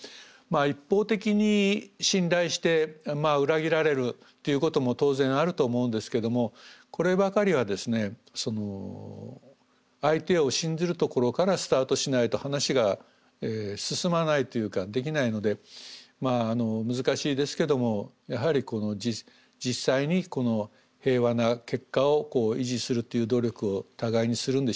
一方的に信頼して裏切られるということも当然あると思うんですけどもこればかりはですね相手を信ずるところからスタートしないと話が進まないというかできないのでまあ難しいですけどもやはり実際にこの平和な結果を維持するという努力を互いにするんでしょうね。